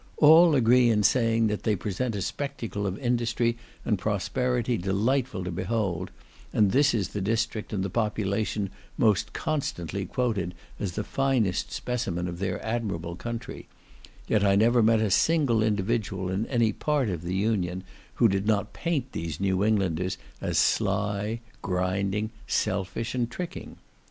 All agree in saying that they present a spectacle of industry and prosperity delightful to behold, and this is the district and the population most constantly quoted as the finest specimen of their admirable country; yet I never met a single individual in any part of the Union who did not paint these New Englanders as sly, grinding, selfish, and tricking.